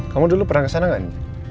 kamu dulu pernah ke sana nggak